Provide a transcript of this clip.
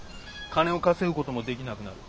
金を稼ぐこともできなくなる。